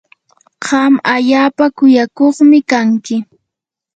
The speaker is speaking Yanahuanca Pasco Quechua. qam allaapa kuyakuqmi kanki.